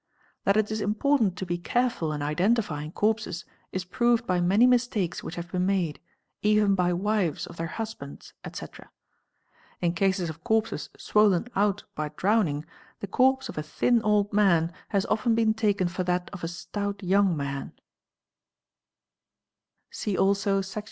That it is important to be careful in identifying corpses is proved by many mistakes which have been made—even by wives of their husbands, etc. ,2, In cases of corpses swollen out by drowning, the corpse of a thin old man has often been taken for that of a stout young man, (see also Sec.